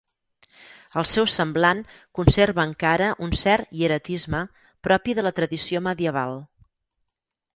El seu semblant conserva encara un cert hieratisme propi de la tradició medieval.